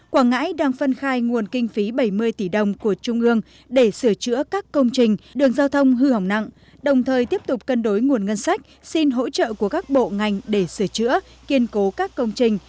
quảng ngãi đang phân khai nguồn kinh phí bảy mươi tỷ đồng của trung ương để sửa chữa các công trình đường giao thông hư hỏng nặng đồng thời tiếp tục cân đối nguồn ngân sách xin hỗ trợ của các bộ ngành để sửa chữa kiên cố các công trình